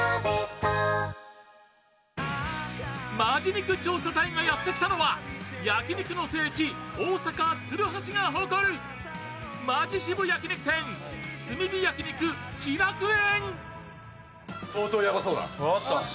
本気肉調査隊がやってきたのは焼肉の聖地、大阪・鶴橋が誇るマヂ渋焼肉店、炭火焼肉喜楽園。